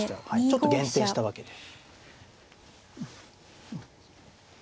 ちょっと限定したわけです。